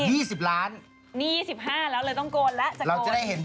มีคนขอให้โกน